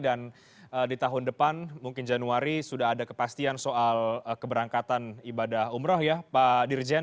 dan di tahun depan mungkin januari sudah ada kepastian soal keberangkatan ibadah umroh ya pak dirjen